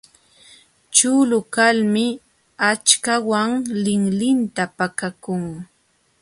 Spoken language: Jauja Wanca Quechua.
Chulu kalmi aqchanwan linlinta pakakun.